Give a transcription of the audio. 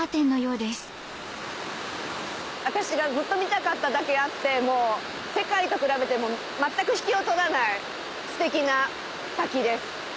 私がずっと見たかっただけあってもう世界と比べても全く引けを取らないステキな滝です。